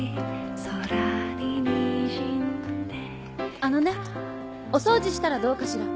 あのねお掃除したらどうかしら？